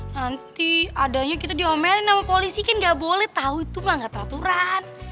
nanti adanya kita diomelin sama polisi kan gak boleh tau itu malah gak peraturan